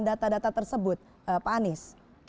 data data tersebut pak anies